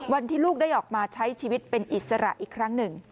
วันที่ลูกได้ออกมาใช้ชีวิตเป็นอิสระอีกครั้งหนึ่ง